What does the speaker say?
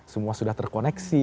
semua sudah terkoneksi